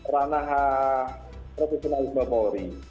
ranaha profesionalisme polri